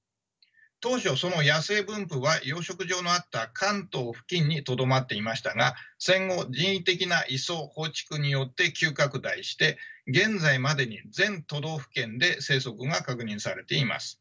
当初その野生分布は養殖場のあった関東付近にとどまっていましたが戦後人為的な移送放逐によって急拡大して現在までに全都道府県で生息が確認されています。